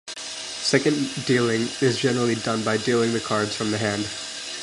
Second dealing is generally done by dealing the cards from the hand.